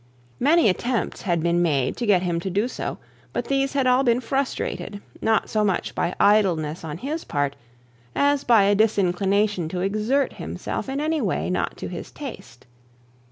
Many attempts had been made to get him to do so, but these had all been frustrated, not so much by idleness on his part, as by a disinclination to exert himself in any way not to his taste.